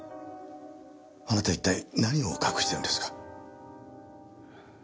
あなた一体何を隠してるんですか？